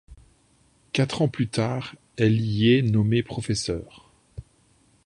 Quatre ans plus tard elle est y nommée professeur.